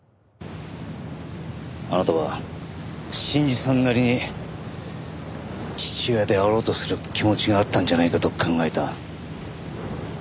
あなたは信二さんなりに父親であろうとする気持ちがあったんじゃないかと考えた。